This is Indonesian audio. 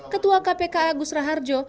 ketua kpka gusra harjo